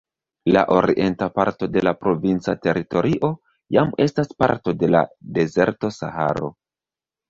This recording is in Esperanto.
La orienta parto de la provinca teritorio jam estas parto de la dezerto Saharo.